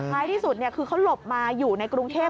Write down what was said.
ที่สุดคือเขาหลบมาอยู่ในกรุงเทพ